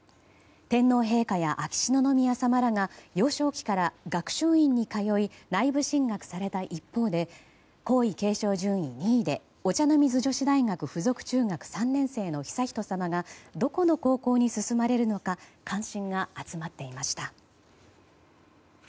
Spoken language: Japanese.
天皇陛下や秋篠宮さまらが幼少期から学習院に通い内部進学された一方で皇位継承順位２位でお茶の水女子大学附属中学３年生の悠仁さまがどこの高校に進まれるのか関心が集まっていました。